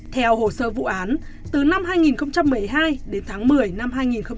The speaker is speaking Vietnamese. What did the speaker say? theo hồ sơ vụ án từ năm hai nghìn một mươi hai đến tháng một mươi năm hai nghìn một mươi bảy